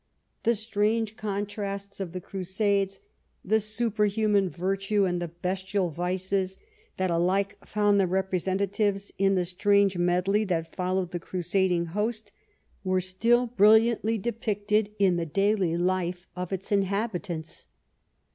The strange contrasts of the Crusades, the superhuman virtue and the bestial vices, that alike found their representatives in the strange medley that followed the crusading host, were still brilliantly depicted in the daily life of its inhabitants.